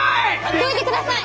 どいてください！